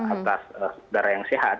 atas darah yang sehat